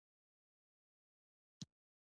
د سرو لمبو د غرغرو له شوره نه دي خبر